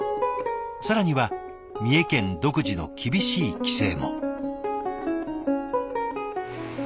更には三重県独自の厳しい規制も。